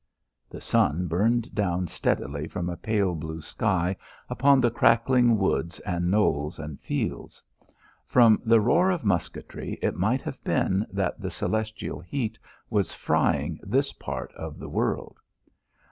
The sun burned down steadily from a pale blue sky upon the crackling woods and knolls and fields. From the roar of musketry it might have been that the celestial heat was frying this part of the world.